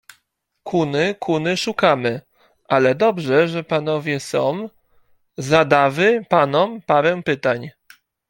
Kuny, kuny szukamy. Ale dobrze, że panowie są, zadawy panom parę pytań.